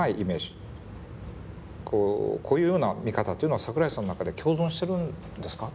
こういうような見方っていうのは桜井さんの中で共存してるんですか？」